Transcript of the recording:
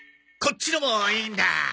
こっちのもいいんだ。